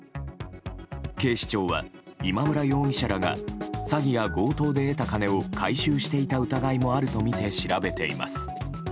警視庁は今村容疑者らが詐欺や強盗で得た金を回収していた疑いもあるとみて調べています。